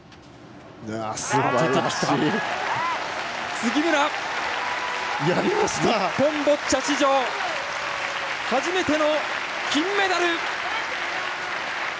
杉村、日本ボッチャ史上初めての金メダル！